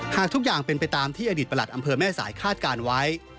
หากทุกอย่างเป็นไปตามที่อดีตประหลัดอำเภอแม่สายคาดการณ์ไว้